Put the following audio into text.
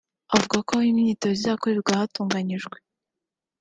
avuga ko aho imyitozo izakorerwa hatunganijwe